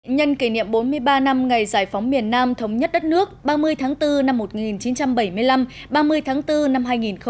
nhân kỷ niệm bốn mươi ba năm ngày giải phóng miền nam thống nhất đất nước ba mươi tháng bốn năm một nghìn chín trăm bảy mươi năm ba mươi tháng bốn năm hai nghìn hai mươi